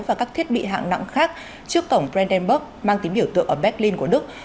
và các thiết bị hạng nặng khác trước tổng brandenburg mang tính biểu tượng ở berlin của đức